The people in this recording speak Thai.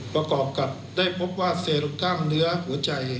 ประกอบกับได้พบว่าเซลกล้ามเนื้อหัวใจ